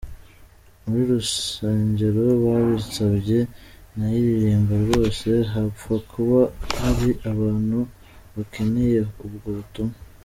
Mu rusengero babinsabye nayiririmba rwose hapfa kuba hari abantu bakeneye ubwo butumwa.